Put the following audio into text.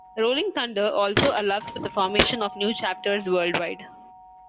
Rolling Thunder also allows for the formation of new chapters worldwide.